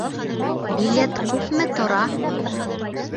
Билет күпме тора?